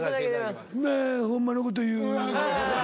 まあホンマのこと言う。